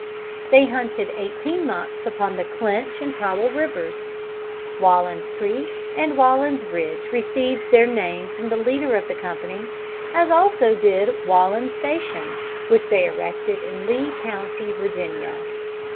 They hunted eighteen months upon Clinch and Powell rivers. Wallen's Creek and Wallen's Ridge received their name from the leader of the company; as also did Wallen's Station which they erected in the Lee county, Virginia.